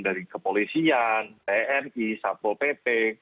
dari kepolisian tni sapo pt